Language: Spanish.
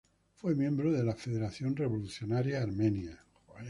Fue miembro de la Federación Revolucionaria Armenia.